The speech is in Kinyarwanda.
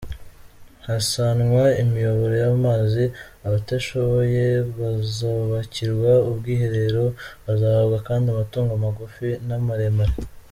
Hazasanwa imiyoboro y’amazi, abatishoboye bazubakirwa ubwiherero, bazahabwa kandi amatungo magufi n’amaremare.